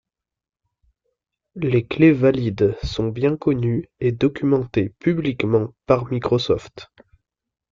Les clés valides sont bien connues et documentées publiquement par Microsoft.